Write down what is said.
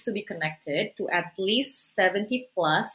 dihubungkan dengan sekitar tujuh puluh